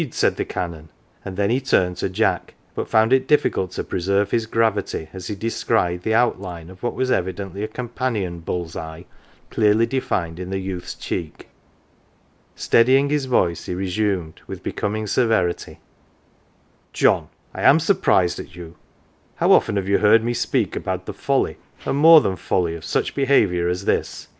" said the Canon, and then he turned to Jack, but found it difficult to preserve his gravity as he descried the outline of what was evidently a companion bull's eye clearly defined in the youth's cheek. Steadying his voice, he resumed with becoming severity :" John, I am surprised at you ! How often have you heard me speak about the folly and more than folly of such 198 LITTLE PAUPERS behaviour as this